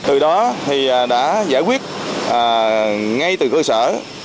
từ đó thì đã giải quyết ngay từ cơ sở